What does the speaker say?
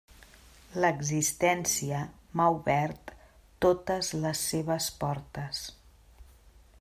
L'existència m'ha obert totes les seves portes.